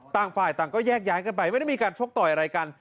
ต่างฝ่ายต่างก็แยกย้ายกันไปไม่ได้มีการชกต่อยอะไรกัน